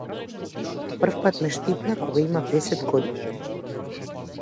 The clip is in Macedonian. Првпат ме штипна кога имав десет години.